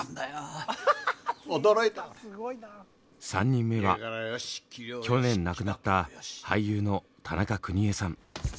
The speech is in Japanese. ３人目は去年亡くなった俳優の田中邦衛さん。